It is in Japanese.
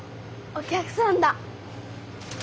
お客さんだ。